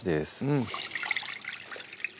うん